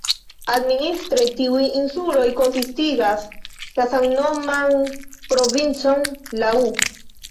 Administre tiuj insuloj konsistigas la samnoman provincon "Lau".